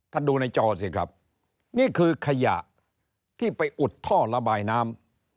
ดูในจอสิครับนี่คือขยะที่ไปอุดท่อระบายน้ำ